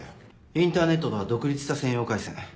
インターネットとは独立した専用回線。